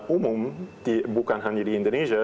umum bukan hanya di indonesia